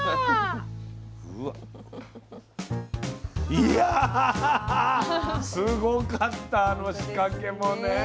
いやすごかったあの仕掛けもね。